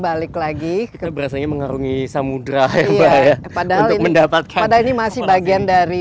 balik lagi ke berasanya mengarungi samudera hebat ya padahal mendapatkan ada ini masih bagian dari